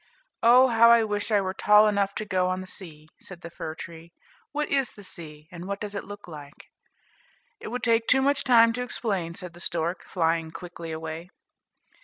"Oh, how I wish I were tall enough to go on the sea," said the fir tree. "What is the sea, and what does it look like?" "It would take too much time to explain," said the stork, flying quickly away.